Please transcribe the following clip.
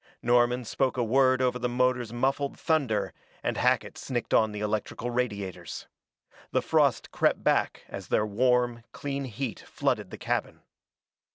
Norman spoke a word over the motor's muffled thunder, and Hackett snicked on the electrical radiators. The frost crept back as their warm, clean heat flooded the cabin.